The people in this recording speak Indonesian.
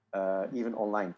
bahkan secara online